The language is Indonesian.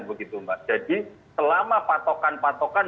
begitu mbak jadi selama patokan patokan